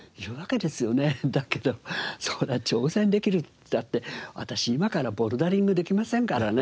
だけどそれ挑戦できるって言ったって私今からボルダリングできませんからね。